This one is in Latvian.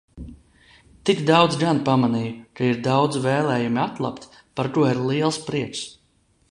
Tik daudz gan pamanīju, ka ir daudz vēlējumi atlabt, par ko ir liels prieks!